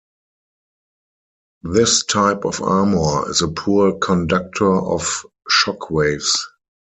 This type of armour is a poor conductor of shock waves.